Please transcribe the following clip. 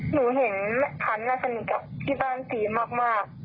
หนูเห็นฐันร์กับสนิทกับพี่บ้านสีมาก